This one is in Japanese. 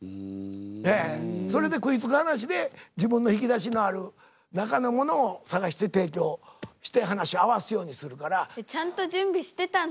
ええそれで食いつく話で自分の引き出しのある中のものを探して提供して話合わすようにするから。ちゃんと準備してたんだ。